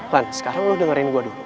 lan sekarang lo dengerin gue dulu